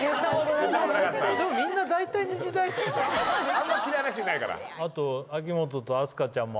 あんまり嫌いな人いないから。